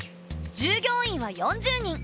従業員は４０人。